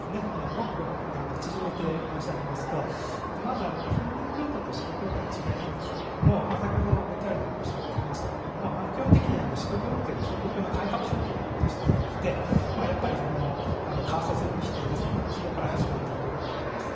ごくごく縮めて申し上げますとまず、ヒンドゥー教徒とシーク教徒の違いなんですけれども先ほどＶＴＲでもおっしゃっていましたけれども基本的にはシーク教というのはヒンドゥー教の改革宗教として出てきてカースト制度の否定から始まっているということがあります。